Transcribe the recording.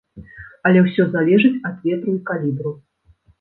Але ўсё залежыць ад ветру і калібру.